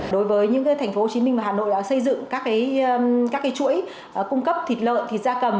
đối với những cái thành phố hồ chí minh và hà nội đã xây dựng các cái chuỗi cung cấp thịt lợn thịt da cầm